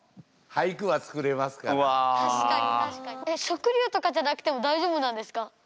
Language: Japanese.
食料とかじゃなくても大丈夫なんですか？